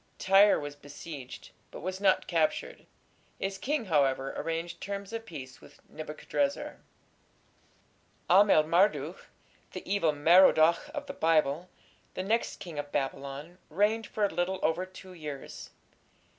Tyre was besieged, but was not captured. Its king, however, arranged terms of peace with Nebuchadrezzar. Amel Marduk, the "Evil Merodach" of the Bible, the next king of Babylon, reigned for a little over two years.